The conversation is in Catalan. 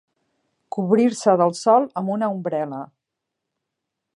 Cobrir-se del sol amb una ombrel·la.